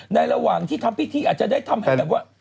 ระหว่างที่ทำพิธีอาจจะได้ทำให้แบบว่า